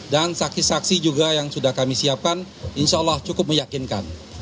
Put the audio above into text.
dan saksi saksi juga yang sudah kami siapkan insya allah cukup meyakinkan